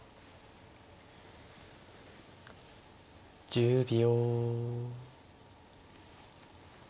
１０秒。